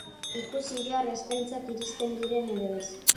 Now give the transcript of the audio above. Ikusi behar eskaintzak iristen diren edo ez.